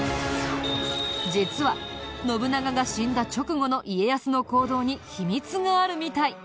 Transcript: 実は信長が死んだ直後の家康の行動に秘密があるみたい。